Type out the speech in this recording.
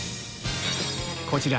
こちら